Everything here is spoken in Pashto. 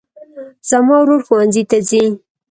زما ورور ښوونځي ته ځي